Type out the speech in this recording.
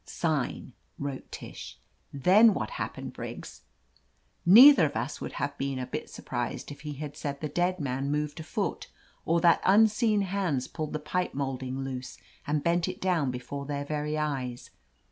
"Sign," wrote Tish. "Then Vhat happened, Briggs?" Neither of us would have been a bit surprised if he had said the dead man moved a foot, or that tmseen hands pulled the pipe molding loose and bent it down before their very eyes.